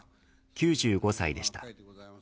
９５歳でした。